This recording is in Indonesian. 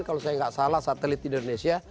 kalau saya tidak salah satelit indonesia